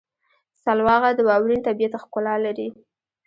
سلواغه د واورین طبیعت ښکلا لري.